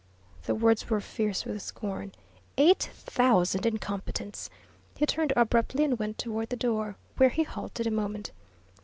The words were fierce with scorn. "Eight thousand incompetents!" He turned abruptly and went toward the door, where he halted a moment.